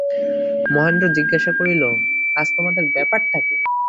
মহেন্দ্র জিজ্ঞাসা করিল, আজ তোমাদের ব্যাপারটা কী।